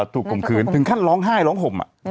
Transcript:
ข่มขืนถึงขั้นร้องไห้ร้องห่ม